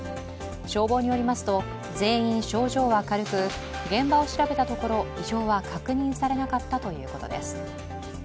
消防によりますと、全員症状は軽く現場を調べたところ異常は確認されなかったということです。